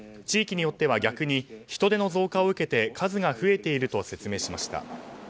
地域によっては逆に人出の増加を受けて数が増えていると説明しました。